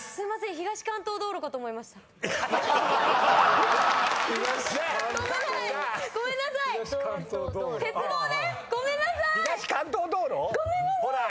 「東関東道路」⁉ほらっ！